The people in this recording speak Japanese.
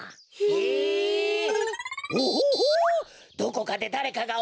えっ？